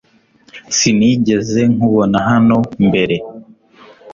Sinigeze nkubona hano mbere .